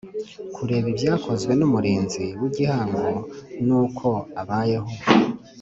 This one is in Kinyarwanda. Kureba ibyakozwe n Umurinzi w Igihango n uko abayeho